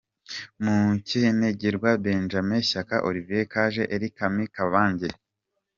Mukengerwa Benjamin- Shyaka Olivier- Kaje Elie – Kami Kabange – Kazingufu Ali.